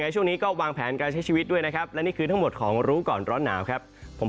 สวัสดีครับ